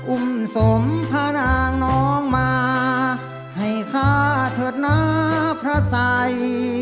อุ้มสมพานางนองมาให้ข้าเถิดหน้าพระใส